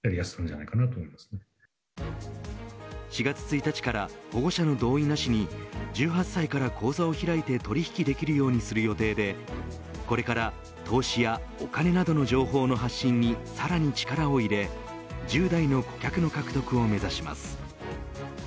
４月１日から保護者の同意なしに１８歳から口座を開いて取引できるようにする予定でこれから投資やお金などの情報の発信にさらに力を入れ１０代の顧客の獲得を目指します。